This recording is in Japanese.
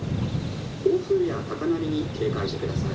暴風や高波に警戒して下さい」。